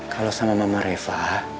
kalau sama mama reva